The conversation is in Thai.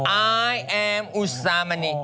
ไอแอฮอุสามณี